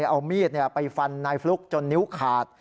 เอามีดไปฟันนายฟลุ๊กจนนิ้วขาด